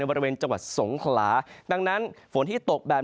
ในภาคฝั่งอันดามันนะครับ